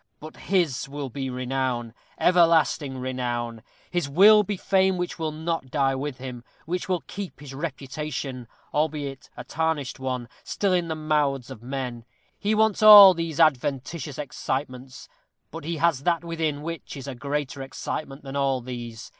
But his will be renown everlasting renown; his will be fame which will not die with him which will keep his reputation, albeit a tarnished one, still in the mouths of men. He wants all these adventitious excitements, but he has that within which is a greater excitement than all these.